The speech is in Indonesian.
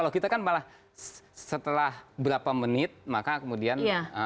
kalau kita kan malah setelah berapa menit maka kemudian